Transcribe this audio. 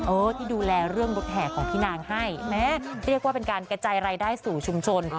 ที่ดูแลเรื่องรถแห่ของพี่นางให้แม้เรียกว่าเป็นการกระจายรายได้สู่ชุมชน